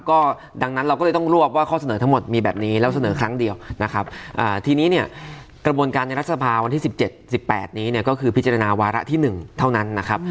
ก็ดังนั้นเราก็เลยต้องรวบว่าข้อเสนอทั้งหมดมีแบบนี้แล้วเสนอครั้งเดียวนะครับทีนี้เนี่ยกระบวนการในรัฐสภาวันที่๑๗๑๘นี้เนี่ยก็คือพิจารณาวาระที่๑เท่านั้นนะครับ